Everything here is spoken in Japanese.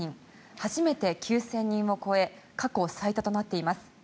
初めて９０００人を超え過去最多となっています。